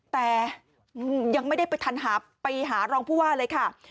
แต่ยังไม่ได้ไปทันหาไปหารองผู้ว่าเลยค่ะ